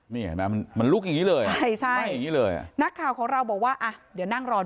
มันลุกอย่างนี้เลย